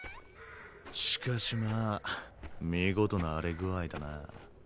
しかしまあ見事な荒れ具合だな。